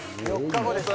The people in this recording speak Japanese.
４日後です。